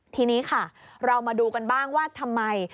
ทีนี้ค่ะเรามาดูกันบ้างว่าทำไม